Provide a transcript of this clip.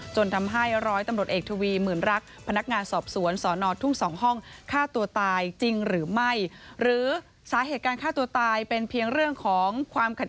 จนทำให้ร้อยต้นบททวี๑หมื่นลัก